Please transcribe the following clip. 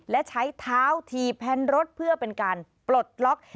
และใช้เท้าถีบแผ่นรถเพื่อเป็นการปลดล็อก